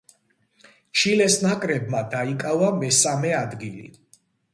ჩილეს ნაკრებმა დაიკავა მესამე ადგილი.